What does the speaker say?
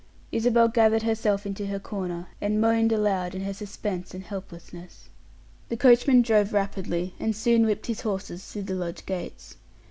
Isabel gathered herself into her corner, and moaned aloud in her suspense and helplessness. The coachman drove rapidly, and soon whipped his horses through the lodge gates.